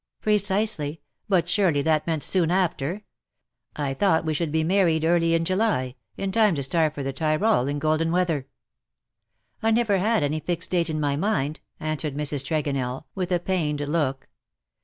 ''' ^''Precisely, but surely that meant soon after? I thought we should be married early in July — in time to start for the Tyrol in golden weather." " I never had any fixed date in my mind," answered Mrs. Tregonell, with a pained look.